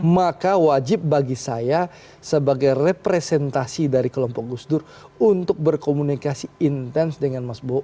maka wajib bagi saya sebagai representasi dari kelompok gus dur untuk berkomunikasi intens dengan mas bowo